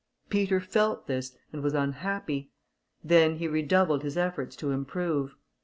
Peter felt this, and was unhappy: then he redoubled his efforts to improve.